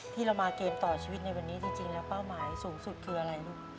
ที่เรามาเกมต่อชีวิตในวันนี้จริงแล้วเป้าหมายสูงสุดคืออะไรลูก